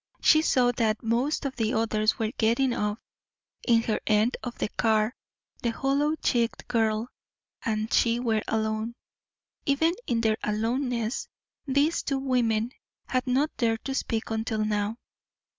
She saw that most of the others were getting off. In her end of the car the hollow cheeked girl and she were alone. Even in their aloneness these two women had not dared to speak until now.